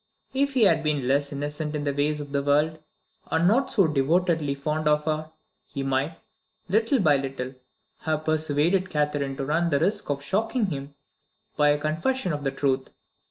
If he had been less innocent in the ways of the world, and not so devotedly fond of her, he might, little by little, have persuaded Catherine to run the risk of shocking him by a confession of the truth.